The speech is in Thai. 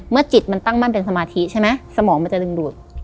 จิตมันตั้งมั่นเป็นสมาธิใช่ไหมสมองมันจะดึงดูด